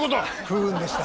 不運でした。